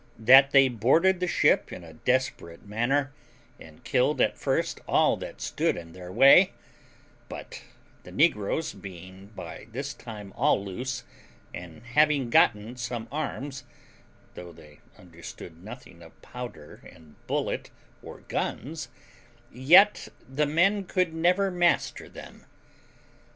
That they boarded the ship in a desperate manner, and killed at first all that stood in their way; but the negroes being by this time all loose, and having gotten some arms, though they understood nothing of powder and bullet, or guns, yet the men could never master them.